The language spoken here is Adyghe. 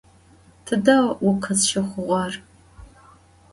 Tıde vukhızşıxhuğer?